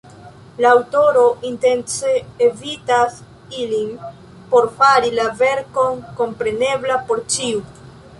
La aŭtoro intence evitas ilin por fari la verkon komprenebla por ĉiu.